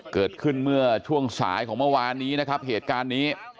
เกิดขึ้นเมื่อช่วงสายของเมื่อวานนี้นะครับเหตุการณ์นี้